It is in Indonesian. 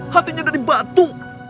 hatinya dari batu